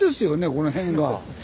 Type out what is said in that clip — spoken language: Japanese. この辺が。